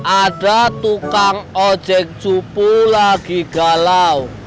ada tukang ojek cupu lagi galau